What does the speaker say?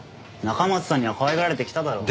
中松さんにはかわいがられてきただろ？